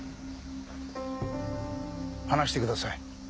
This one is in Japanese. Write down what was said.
話してください。